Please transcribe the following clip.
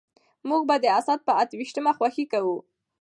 موږ به د اسد په اته ويشتمه خوښي کوو.